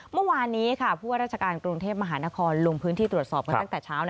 เมื่อวานนี้ผู้ว่าราชการกรุงเทพมหานครลงพื้นที่ตรวจสอบกันตั้งแต่เช้า